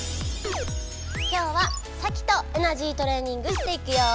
今日はサキとエナジートレーニングしていくよ！